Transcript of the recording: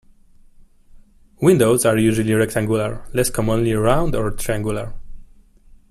Windows are usually rectangular, less commonly round or triangular.